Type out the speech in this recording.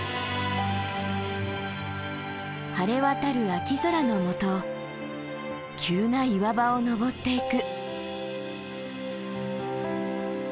晴れ渡る秋空のもと急な岩場を登っていく。